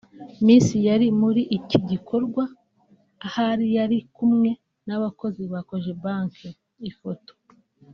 Miss yari muri iki gikorwa ahari yari kumwe n’abakozi ba Cogebank/ifoto